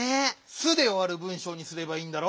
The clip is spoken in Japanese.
「す」でおわる文しょうにすればいいんだろ？